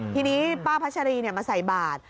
ทีนี้ป้าพัชรีมาใส่บาท